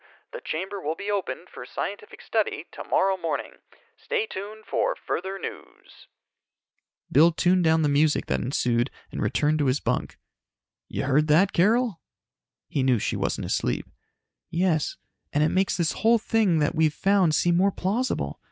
The chamber will be opened for scientific study tomorrow morning. Stay tuned for further news." Bill tuned down the music that ensued and returned to his bunk. "You heard that, Carol?" He knew she wasn't asleep. "Yes. And it makes this whole thing that we've found seem more plausible.